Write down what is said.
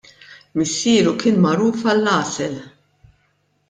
Missieru kien magħruf għall-għasel.